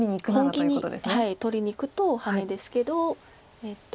本気に取りにいくとハネですけど。